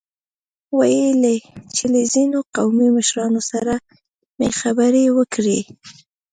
ويل يې چې له ځينو قومي مشرانو سره مې خبرې وکړې.